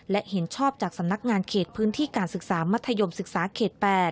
และเห็นชอบจากสำนักงานเขตพื้นที่การศึกษามัธยมศึกษาเขต๘